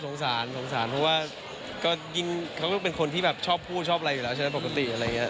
สงสารสงสารเพราะว่าก็ยิ่งเขาก็เป็นคนที่แบบชอบพูดชอบอะไรอยู่แล้วใช่ไหมปกติอะไรอย่างนี้